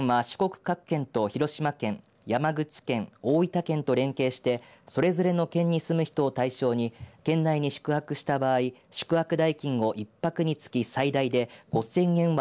四国各県と広島県山口県、大分県と連携してそれぞれの県に住む人を対象に県内に宿泊した場合、宿泊代金を１泊につき最大で５０００円